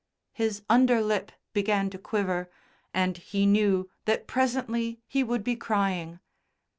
His under lip began to quiver, and he knew that presently he would be crying.